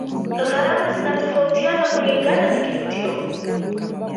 gharama zinatofautiana kulingana na kivutio